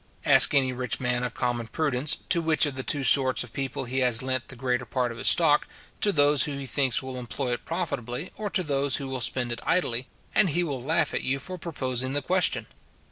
Ask any rich man of common prudence, to which of the two sorts of people he has lent the greater part of his stock, to those who he thinks will employ it profitably, or to those who will spend it idly, and he will laugh at you for proposing the question.